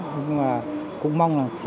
nhưng mà cũng mong là